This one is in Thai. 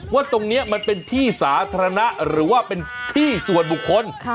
ว่าตรงนี้มันเป็นที่สาธารณะหรือว่าเป็นที่ส่วนบุคคล